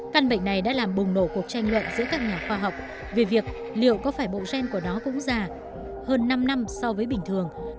căn bệnh này đã làm bùng nổ cuộc tranh luận giữa các nhà khoa học về việc liệu có phải bộ gen của nó cũng già hơn năm năm so với bình thường